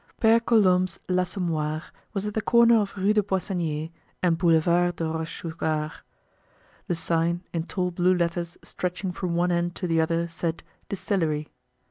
Pere Colombe's l'Assommoir was at the corner of Rue des Poissonniers and Boulevard de Rochechouart. The sign, in tall blue letters stretching from one end to the other said: Distillery.